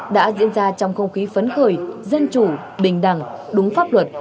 đã diễn ra trong không khí phấn khởi dân chủ bình đẳng đúng pháp luật